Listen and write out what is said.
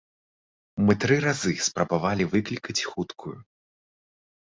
Мы тры разы спрабавалі выклікаць хуткую.